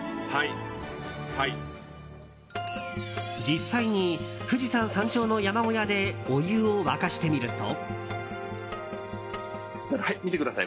実際に、富士山山頂の山小屋でお湯を沸かしてみると。